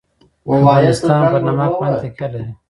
افغانستان په نمک باندې تکیه لري.